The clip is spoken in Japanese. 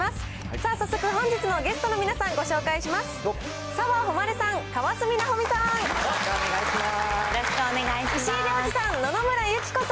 さあ、早速本日のゲストの皆さん、ご紹介します。